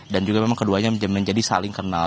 dan juga memang keduanya menjadi saling kenal